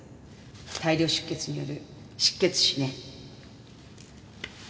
大量出血による失血死ね。